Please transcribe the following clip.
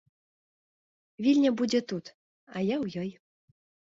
Вільня будзе тут, а я ў ёй.